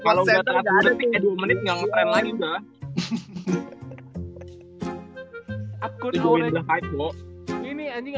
kalo gua tengah dua menit gak nge trend lagi